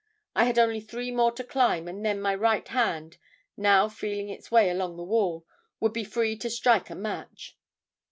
I had only three more to climb and then my right hand, now feeling its way along the wall, would be free to strike a match.